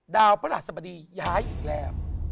ดาวพระราชสมดีย้ายอีกแล้ว